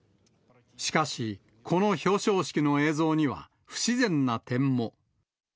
しかし、この表彰式の映像には、不自然な点も。